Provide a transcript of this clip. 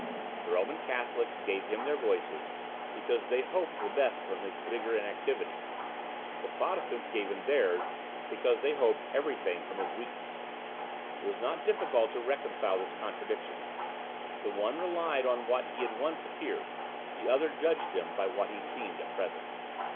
The Roman Catholics gave him their voices, because they hoped the best from his vigour and activity; the Protestants gave him theirs, because they hoped every thing from his weakness. It is not difficult to reconcile this contradiction. The one relied on what he had once appeared; the other judged him by what he seemed at present.